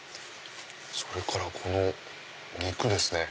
それからこの肉ですね。